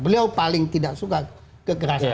beliau paling tidak suka kekerasan